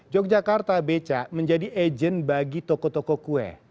yogyakarta becak menjadi agent bagi toko toko kue